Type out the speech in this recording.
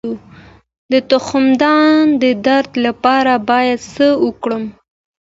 د تخمدان د درد لپاره باید څه وکړم؟